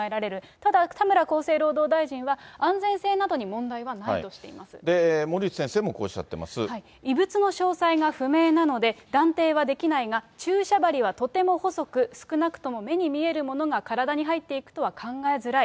ただ、田村厚生労働大臣は、安全森内先生もこうおっしゃって異物の詳細が不明なので、断定はできないが、注射針はとても細く、少なくとも目に見えるものが体に入っていくとは考えづらい。